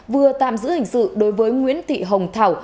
vừa tạm giữ hình sự đối với nguyễn thị hồng thảo